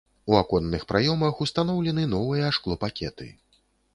У аконных праёмах ўстаноўлены новыя шклопакеты.